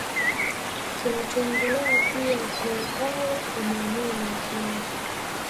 Kinachoongelewa pia na Wapare wa maeneo mengine